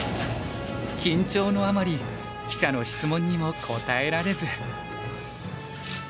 緊張のあまり記者の質問にも答えられず。